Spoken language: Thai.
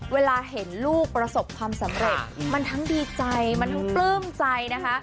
เวลาเห็นลูกประสบความสำเร็จมันทั้งดีใจมันทั้งปลื้มใจนะคะ